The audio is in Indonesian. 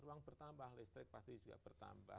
ruang bertambah listrik pasti juga bertambah